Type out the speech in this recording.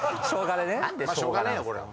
しょうがねえよこりゃ。